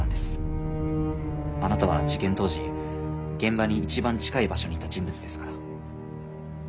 あなたは事件当時現場に一番近い場所にいた人物ですから。